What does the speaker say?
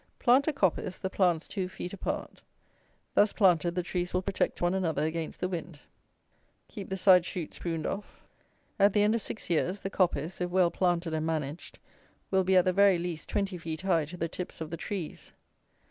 Plant a coppice, the plants two feet apart. Thus planted, the trees will protect one another against the wind. Keep the side shoots pruned off. At the end of six years, the coppice, if well planted and managed, will be, at the very least, twenty feet high to the tips of the trees.